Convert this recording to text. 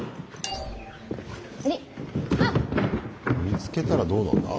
見つけたらどうなるんだ？